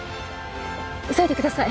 急いでください